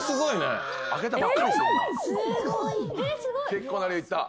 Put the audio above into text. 結構な量いった。